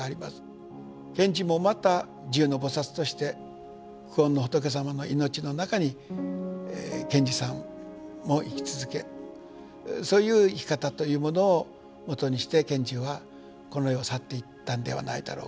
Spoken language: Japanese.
賢治もまた地涌の菩薩として久遠の仏様の命の中に賢治さんも生き続けそういう生き方というものをもとにして賢治はこの世を去っていったんではないだろうか。